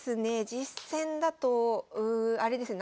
実戦だとあれですね